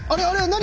何？